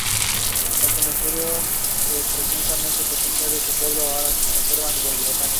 El cementerio que presuntamente pertenecía a este pueblo, ahora es conservado por el Botánico.